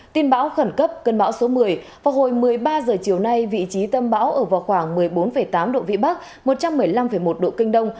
tin bão khẩn cấp cân bão số một mươi vào hồi một mươi ba h chiều nay vị trí tâm bão ở vào khoảng một mươi bốn tám độ vĩ bắc một trăm một mươi năm một độ kinh đông